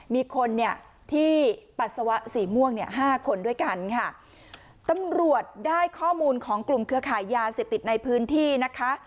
มีคนเนี่ยที่ปัสสาวะสีม่วงเนี่ยห้าคนด้วยกันค่ะตำรวจได้ข้อมูลของกลุ่มเครือขายยาเสพติดในพื้นที่นะคะ